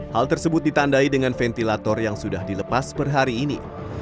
hal tersebut ditandai dengan ventilator yang sudah dilepas per hari ini